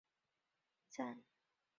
红磡站。